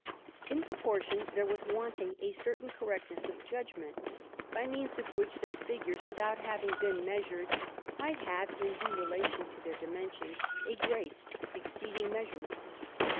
In proportion there was wanting a certain correctness of judgment, by means of which their figures, without having been measured, might have, in due relation to their dimensions, a grace exceeding measurement.